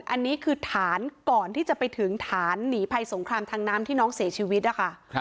อันนี้คือฐานก่อนที่จะไปถึงฐานหนีภัยสงครามทางน้ำที่น้องเสียชีวิตนะคะ